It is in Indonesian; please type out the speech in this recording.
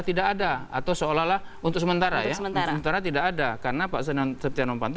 tidak ada atau seolah olah untuk sementara ya sementara tidak ada karena pak setia novanto